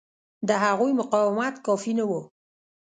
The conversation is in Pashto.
د هغوی مقاومت کافي نه و.